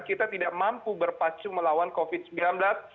kita tidak mampu berpacu melawan covid sembilan belas